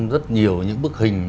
rất nhiều những bức hình